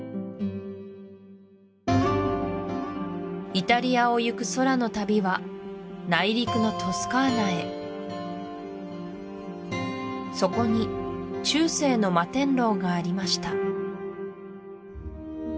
イタリアをゆく空の旅は内陸のトスカーナへそこに中世の摩天楼がありました